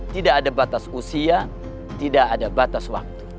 tidak ada batas usia tidak ada batas waktu